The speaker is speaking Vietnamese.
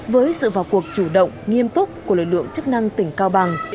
với sự vào cuộc chủ động nghiêm túc của lực lượng chức năng tỉnh cao bằng